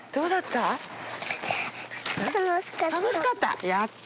楽しかった？